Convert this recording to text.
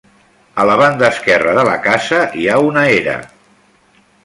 A la banda esquerra de la casa hi ha una era.